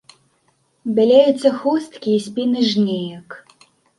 Бялеюцца хусткі і спіны жнеек.